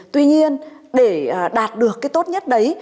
tuy nhiên để đạt được cái tốt nhất đấy